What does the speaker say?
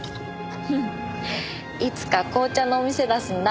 うんいつか紅茶のお店出すんだ。